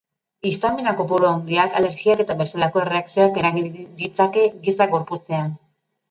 Histamina kopuru handiak alergiak eta bestelako erreakzioak eragin ditzake giza gorputzean.